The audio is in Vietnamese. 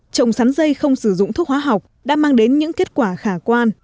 trọng sắn dây không sử dụng thuốc hóa học đã mang đến những kết quả khả quan